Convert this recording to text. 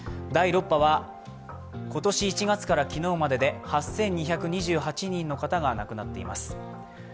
第６波は今年１月から昨日までで８２２８人の方が亡くなっています。